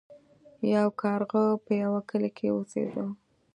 یو کارغه په یوه کلي کې اوسیده.